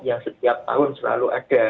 yang setiap tahun selalu ada